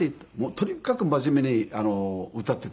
「とにかく真面目に歌っていてくれ」と。